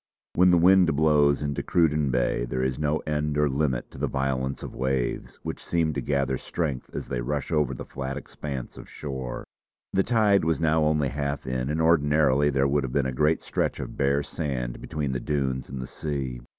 When the wind blows into Cruden Bay there is no end or limit to the violence of waves, which seem to gather strength as they rush over the flat expanse of shore. The tide was now only half in, and ordinarily there would have been a great stretch of bare sand between the dunes and the sea.